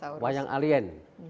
kemudian wayang alien